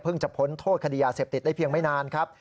จะพ้นโทษคดียาเสพติดได้เพียงไม่นานครับ